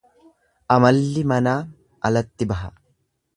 Amalli manaa alatti baha.